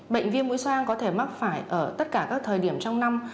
bệnh viêm mũi soang có thể mắc phải ở tất cả các thời điểm trong năm